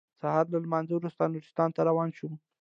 سهار له لمانځه وروسته نورستان ته روان شوم.